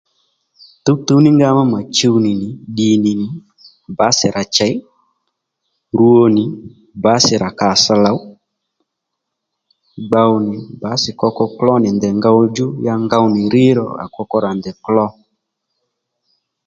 Tǔwtǔw ní nga má mà chuw nì nì ddìnì nì bǎsì ra chey rwo nì bǎsì rà kàss lòw gbow nì bǎsì koko kló nì ndèy ngow djú ya ngow nì rŕ ro à koko rà ndèy klo